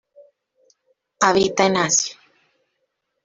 Habita en Asia.